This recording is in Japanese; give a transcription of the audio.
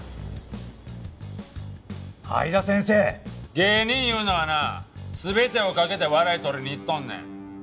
芸人いうのはな全てをかけて笑い取りにいっとんねん。